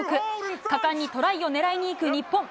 果敢にトライを狙いにいく日本。